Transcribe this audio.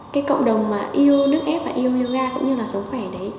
cái cộng đồng mà yêu nước ép và yêu ga cũng như là sống khỏe đấy